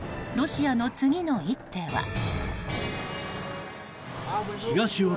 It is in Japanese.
ロシアの次の一手は。